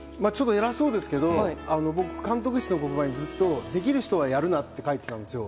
偉そうですけど僕、監督室の黒板にできる人はやるなと書いていたんですよ。